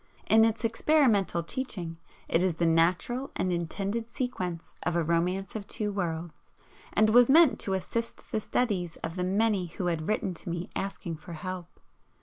In its experimental teaching it is the natural and intended sequence of "A Romance of Two Worlds," and was meant to assist the studies of the many who had written to me asking for help.